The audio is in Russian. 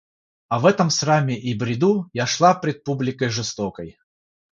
А в этом сраме и бреду Я шла пред публикой жестокой.